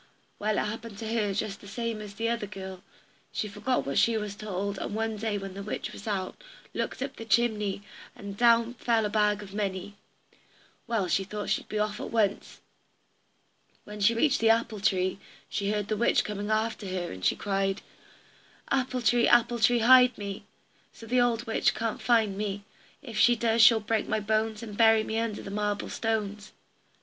Well, it happened to her just the same as to the other girl she forgot what she was told, and one day when the witch was out, looked up the chimney, and down fell a bag of money. Well, she thought she would be off at once. When she reached the apple tree, she heard the witch coming after her, and she cried: "Apple tree, apple tree, hide me, So the old witch can't find me; If she does she'll break my bones, And bury me under the marble stones."